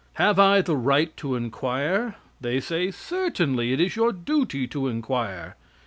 Have I the right to inquire? They say, "Certainly; it is your duty to inquire."